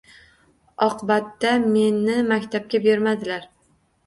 Oqbatda meni maktabga bermadilar.